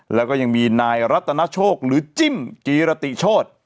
แล้วก็ยังมีนายรัตนโชคหรือจิ้มกีรติโชธ